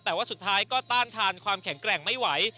แต่ว่าสุดท้ายก็ต้านทานความแข็งแกร่งไม่ไหว